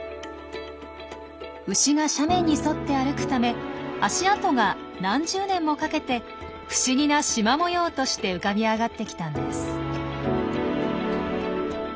牛が斜面に沿って歩くため足跡が何十年もかけて不思議な縞模様として浮かび上がってきたんです。